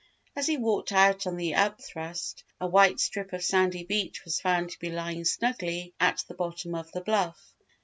As he walked out on the upthrust, a white strip of sandy beach was found to be lying snugly at the bottom of the bluff.